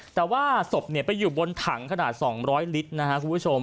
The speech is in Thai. แต่ว่าศพไปอยู่บนถังขนาด๒๐๐ลิตรนะครับคุณผู้ชม